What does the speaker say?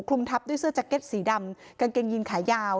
ทับด้วยเสื้อแจ็คเก็ตสีดำกางเกงยีนขายาว